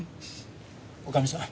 女将さん